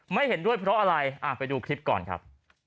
เห็นด้วยเพราะอะไรไปดูคลิปก่อนครับ